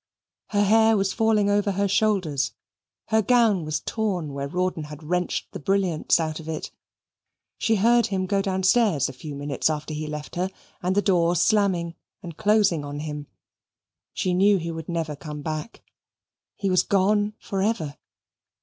Her hair was falling over her shoulders; her gown was torn where Rawdon had wrenched the brilliants out of it. She heard him go downstairs a few minutes after he left her, and the door slamming and closing on him. She knew he would never come back. He was gone forever.